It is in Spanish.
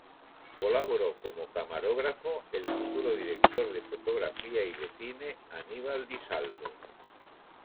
Colaboró como camarógrafo el futuro director de fotografía y de cine Aníbal Di Salvo.